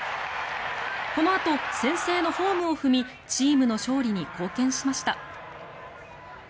このあと先制のホームを踏みチームの勝利に貢献しました。